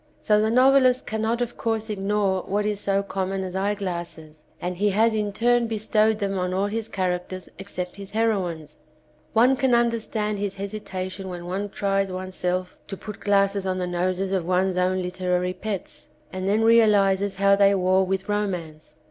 So the novelist cannot of course ignore what is so common as eyeglasses and he has in turn bestowed them on all his characters except his hero ines. One can understand his hesitation when one tries oneself to put glasses on the noses of one's own literary pets, and then realises how they war with romance.